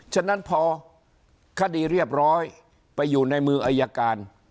ฉะนั้นพอคดีเรียบร้อยไปอยู่ในมืออายการ